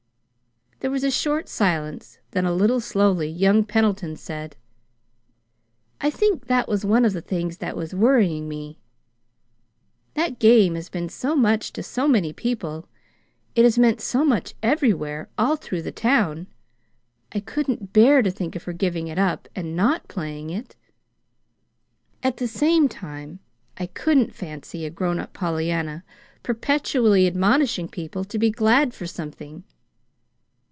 There was a short silence; then, a little slowly, young Pendleton said: "I think that was one of the things that was worrying me. That game has been so much to so many people. It has meant so much everywhere, all through the town! I couldn't bear to think of her giving it up and NOT playing it. At the same time I couldn't fancy a grown up Pollyanna perpetually admonishing people to be glad for something.